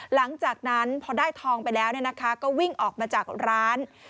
หลังจากนั้นพอได้ทองไปแล้วก็วิ่งออกมาจากร้าน